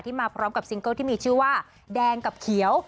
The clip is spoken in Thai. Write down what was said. มาพร้อมกับซิงเกิลที่มีชื่อว่าแดงกับเขียว